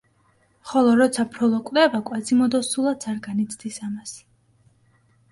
ხოლო, როცა ფროლო კვდება კვაზიმოდო სულაც არ განიცდის ამას.